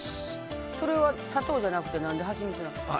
それは砂糖じゃなくて何でハチミツなんですか？